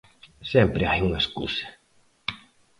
Sempre hai unha escusa.